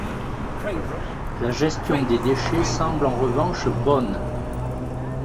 La gestion des déchets semble en revanche bonne.